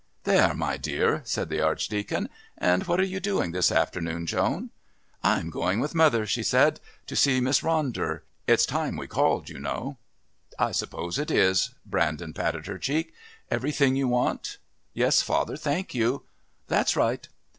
"There! my dear!" said the Archdeacon. "And what are you doing this afternoon, Joan?" "I'm going with mother," she said, "to see Miss Ronder. It's time we called, you know." "I suppose it is." Brandon patted her cheek. "Everything you want?" "Yes, father, thank you." "That's right."